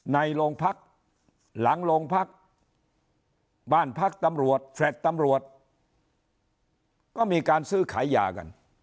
ในโรงพักหลังโรงพักบ้านพักตำรวจแฟลต์ตำรวจก็มีการซื้อขายยากัน